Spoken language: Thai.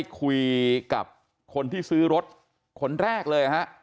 คุยกับคนที่ซื้อรถคนแรกเลยฮะ